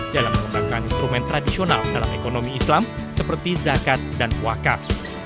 dalam mengembangkan instrumen tradisional dalam ekonomi islam seperti zakat dan wakaf